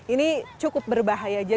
ini cukup berbahaya